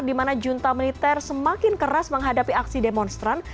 di mana junta militer semakin keras menghadapi aksi demonstran